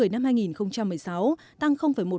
năm hai nghìn một mươi sáu tăng một